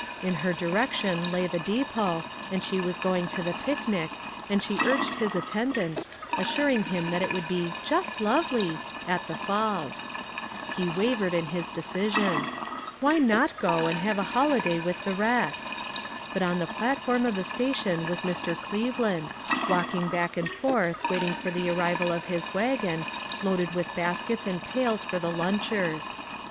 In her direction lay the depot, and she was going to the picnic, and she urged his attendance, assuring him that it would be " just lovely " at the falls. He wavered in his decision. Why SEVERAL STARTLING POINTS. 137 not go and have a holiday with the rest? l>ut on the platform of the station was Mr. Cleveland, walking back and forth waiting for the arrival of his wagon, loaded with baskets and pails for the lunchers.